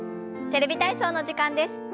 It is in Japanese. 「テレビ体操」の時間です。